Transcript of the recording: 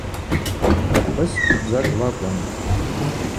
Апхӏвыс пшдзакӏ лакӏвын.